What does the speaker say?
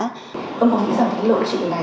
ông có nghĩ rằng lộ trị này